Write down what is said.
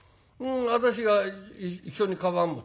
私が一緒にかばん持ち。